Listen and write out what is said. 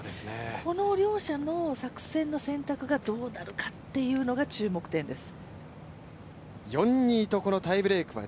この両者の作戦の選択がどうなるかというのが注目点です。